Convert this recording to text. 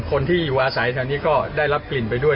คนที่อยู่อาศัยแถวนี้ก็ได้รับกลิ่นไปด้วย